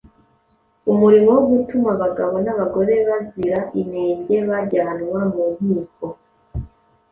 Umurimo wo gutuma abagabo n’abagore bazira inenge bajyanwa mu nkiko